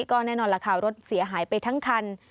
ก็แน่นอนล่ะค่ะรถเสียหายไปทั้งคัน